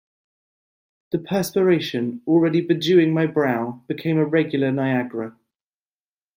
The perspiration, already bedewing my brow, became a regular Niagara.